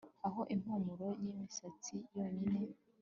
Aho impumuro yimisatsi yonyine